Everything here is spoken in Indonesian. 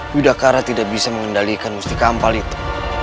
yudhakara tidak bisa mengendalikan mustika ampal itu